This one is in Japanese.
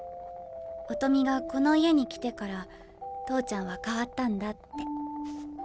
音美がこの家に来てから投ちゃんは変わったんだって。